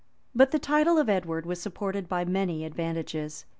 But the title of Edward was supported by many advantages.